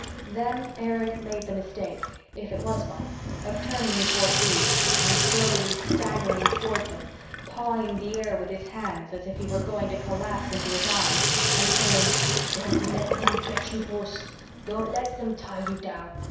Then Erich made the mistake, if it was one, of turning toward Bruce and slowly staggering toward him, pawing the air with his hands as if he were going to collapse into his arms, and saying, "Don't let them get you, Bruce. Don't let them tie you down.